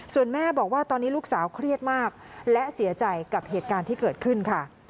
ส่วนแม่บอกว่าตอนนี้ลูกสาวเครียดมากและเสียใจกับเหตุการณ์ที่เกิดขึ้นค่ะ